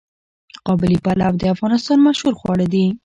قابلي پلو د افغانستان مشهور خواړه دي.